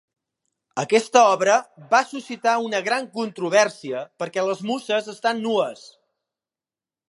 Aquesta obra va suscitar una gran controvèrsia perquè les muses estan nues.